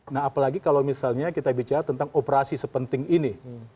nah apalagi kalau misalnya kita bicara tentang operasi sepenting ini